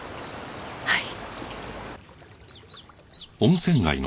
はい。